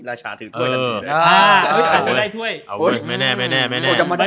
ราชาถือถ้วยกันอาจจะได้ถ้วยไม่แน่ไม่แน่ไม่แน่